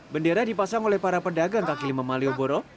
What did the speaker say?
bendera dipasang oleh para pedagang kaki lima malioboro